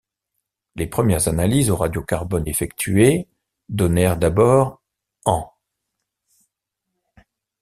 Les premières analyses au radiocarbone effectuées, donnèrent d'abord ans.